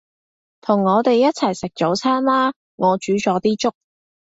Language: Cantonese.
同我哋一齊食早餐啦，我煮咗啲粥